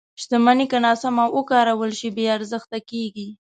• شتمني که ناسمه وکارول شي، بې ارزښته کېږي.